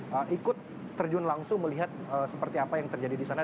mereka ikut terjun langsung melihat seperti apa yang terjadi di sana